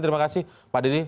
terima kasih pak didi